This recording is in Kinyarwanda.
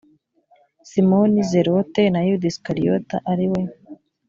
simoni zelote na yuda isikariyota ari we